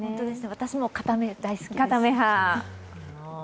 私も固め、大好きです。